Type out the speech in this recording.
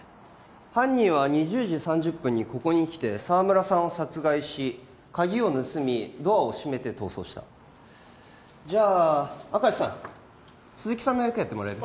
犯人は２０時３０分にここに来て沢村さんを殺害し鍵を盗みドアを閉めて逃走したじゃあ明石さん鈴木さんの役やってもらえる？